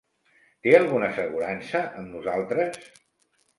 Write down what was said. Té alguna assegurança amb nosaltres?